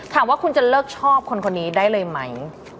ถามว่าคุณจะเลิกชอบคนคนนี้ได้เลยไหม